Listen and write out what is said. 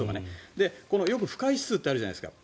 よく不快指数ってあるじゃないですか